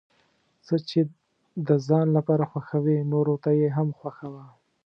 څه چې د ځان لپاره خوښوې نورو ته یې هم خوښوه.